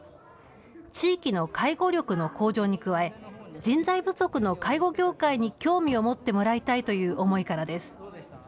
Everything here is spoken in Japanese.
地域の介護力の向上に加え、人材不足の介護業界に興味を持ってもらいたいという思いからです。